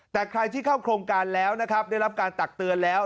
แต่ใครที่เข้าโครงการแล้วนะครับได้รับการตักเตือนแล้ว